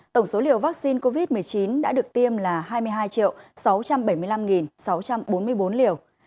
tổng số liều vaccine covid một mươi chín đã được tiêm là hai mươi hai sáu trăm bảy mươi năm sáu trăm bốn mươi bốn liều